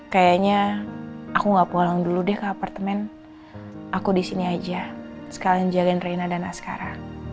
kayaknya aku gak pulang dulu deh ke apartemen aku disini aja sekalian jagain reina dan askara